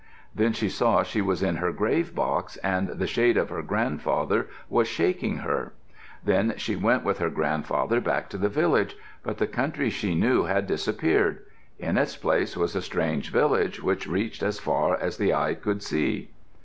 Then she saw she was in her grave box and the shade of her grandfather was shaking her. Then she went with her grandfather back to the village, but the country she knew had disappeared. In its place was a strange village which reached as far as the eye could see.